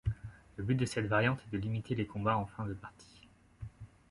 Le but de cette variante est de limiter les combats en fin de partie.